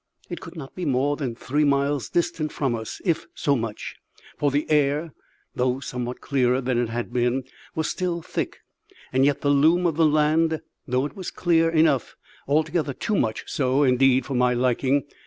It could not be more than three miles distant from us if so much for the air, though somewhat clearer than it had been, was still thick, yet the loom of the land through it was clear enough; altogether too much so, indeed, for my liking.